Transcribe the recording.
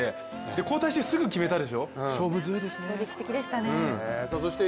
交代してすぐ決めたでしょ、勝負強いですね。